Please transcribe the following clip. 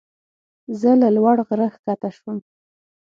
زه له لوړ غره ښکته شوم.